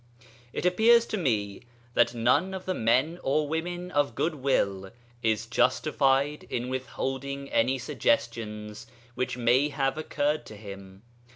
It appears to me that none of the men or women of good will is justified in withholding any suggestions which may have occurred to him.